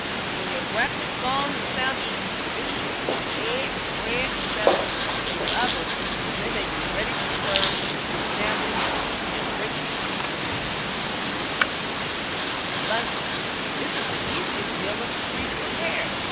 When your breakfast gong is sounded put your biscuits, eggs, bread, etc., in the oven so that they may be ready to serve when the family have eaten their grapefruit and cereal. ~Luncheon~ This is the easiest meal of the three to prepare.